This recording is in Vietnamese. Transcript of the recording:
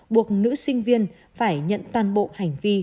buộc nữ sinh viên phải nhận toàn bộ hành vi